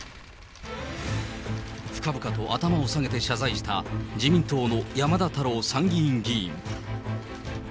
深々と頭を下げて謝罪した自民党の山田太郎参議院議員。